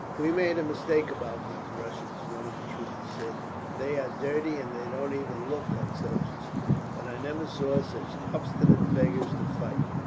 "We made a mistake about these Russians," one of the troopers said. "They are dirty, and they don't even look like soldiers, but I never saw such obstinate beggars to fight.